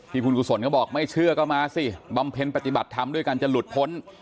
คุณกุศลก็บอกไม่เชื่อก็มาสิบำเพ็ญปฏิบัติธรรมด้วยกันจะหลุดพ้น